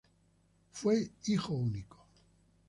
Fue único hijo.